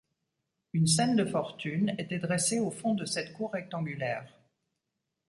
Une scène de fortune était dressée au fond de cette cour rectangulaire.